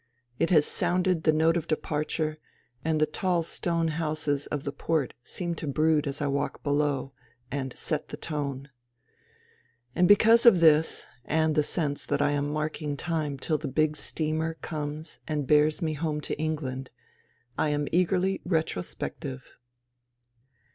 It has sounded the note of departure, and the tall stone houses of the port seem to brood as I walk below, and *' set the tone." And because of this and the sense that I am marking time till the big steamer comes and bears me home to England I am eagerly retrospective.